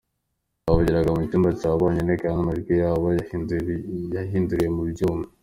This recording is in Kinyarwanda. Bavugiraga mu cyumba cya bonyine kandi amajwi yabo yahinduriwe mu byuma.